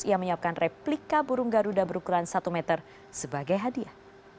ia menyiapkan replika burung garuda berukuran satu meter sebagai hadiah